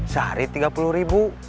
sehari tiga puluh ribu